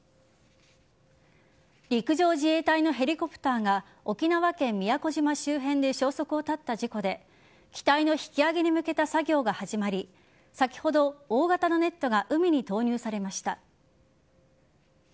陸上自衛隊のヘリコプターが沖縄県宮古島周辺で消息を絶った事故で機体の引き揚げに向けた作業が始まり先ほど、大型のネットが海に投入されました。